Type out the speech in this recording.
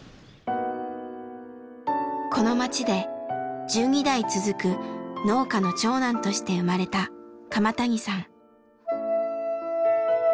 この町で１２代続く農家の長男として生まれた鎌谷さん。